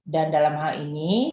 dan dalam hal ini